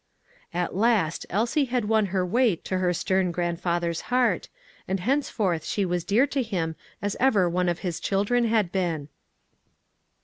At last, Elsie had won her way to her stern grandfather's heart; and henceforth she was dear to him as ever one of his children had been.